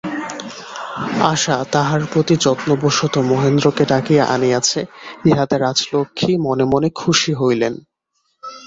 আশা তাঁহার প্রতি যত্নবশত মহেন্দ্রকে ডাকিয়া আনিয়াছে, ইহাতে রাজলক্ষ্মী মনে মনে খুশি হইলেন।